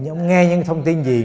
ông nghe những thông tin gì